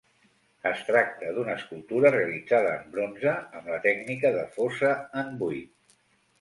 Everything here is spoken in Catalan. Es tracta d'una escultura realitzada en bronze amb la tècnica de fosa en buit.